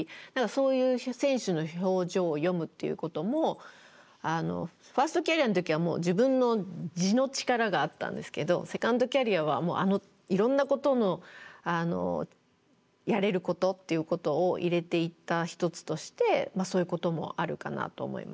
そういう選手の表情を読むっていうこともファーストキャリアの時は自分の地の力があったんですけどセカンドキャリアはいろんなことのやれることっていうことを入れていった一つとしてそういうこともあるかなと思いますね。